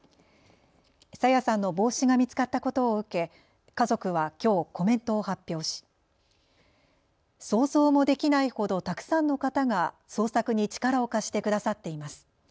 朝芽さんの帽子が見つかったことを受け家族はきょうコメントを発表し想像もできないほどたくさんの方が捜索に力を貸してくださっています。